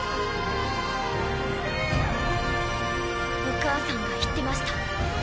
お母さんが言ってました。